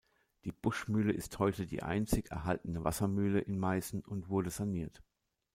Die Buschmühle ist heute die einzig erhaltene Wassermühle in Meißen und wurde saniert.